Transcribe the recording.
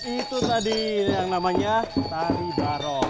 itu tadi yang namanya tari baro